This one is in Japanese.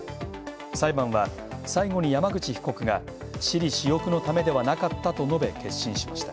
裁判は、最後に山口被告が「私利私欲のためではなかった」と述べ、結審しました。